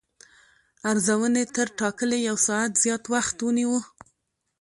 ارزونې تر ټاکلي یو ساعت زیات وخت ونیو.